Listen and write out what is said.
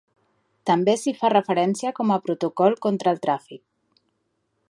També s'hi fa referència com a Protocol contra el tràfic.